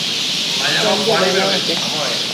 Wan jodala watee